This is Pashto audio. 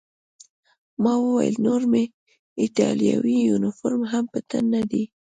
ما وویل: نور مې ایټالوي یونیفورم هم په تن نه دی.